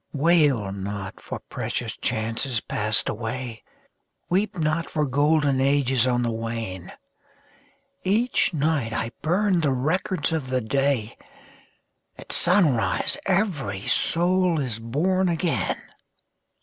[ 27 ] Selected Poems Wail not for precious chances passed away, Weep not for golden ages on the wane ! Each night I burn the records of the day, — At sunrise every soul is born again